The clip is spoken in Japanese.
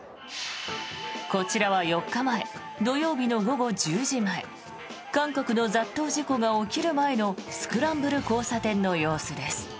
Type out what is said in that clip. こちらは４日前土曜日の午後１０時前韓国の雑踏事故が起きる前のスクランブル交差点の様子です。